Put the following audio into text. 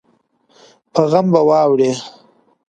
په غم به واوړې